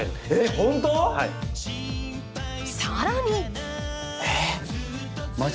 さらに。